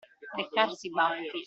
Leccarsi i baffi.